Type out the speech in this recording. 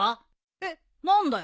えっ何だよ。